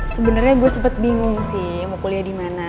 sebenernya gue sempat bingung sih mau kuliah dimana